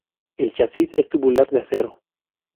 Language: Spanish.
El chasis es tubular de acero.